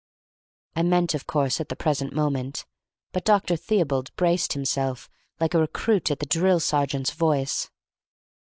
I meant, of course, at the present moment, but Dr. Theobald braced himself like a recruit at the drill sergeant's voice.